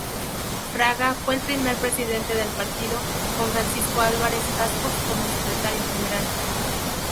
Fraga fue el primer presidente del partido, con Francisco Álvarez-Cascos como secretario general.